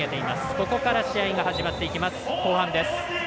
ここから試合が始まっていきます。